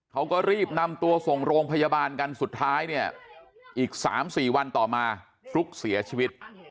เขาก็รีบนำตัวส่งโรงพยาบาลกันสุดท้ายเนี่ยอีก๓๔วันต่อมาฟลุ๊กเสียชีวิต